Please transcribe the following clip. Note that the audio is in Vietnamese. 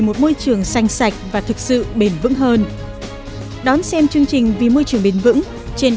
một môi trường xanh sạch và thực sự bền vững hơn đón xem chương trình vì môi trường bền vững trên